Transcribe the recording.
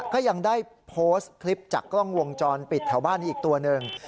ก็ยังได้โพสต์คลิปจากกล้องวงจรปิดแถวบ้านนี้อีกตัวหนึ่ง